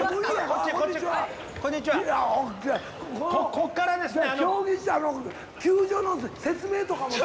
こっからですね。